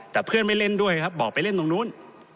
แต่เพื่อนไม่เล่นด้วยครับบอกไปเล่นตรงนู้น